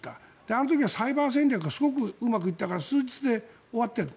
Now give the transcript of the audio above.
あの時はサイバー戦略がすごくうまくいったから数日で終わってる。